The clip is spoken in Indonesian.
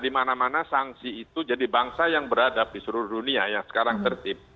di mana mana sanksi itu jadi bangsa yang beradab di seluruh dunia yang sekarang tertib